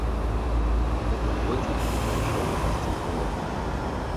Гэты злодзей пайшоў красці з голаду.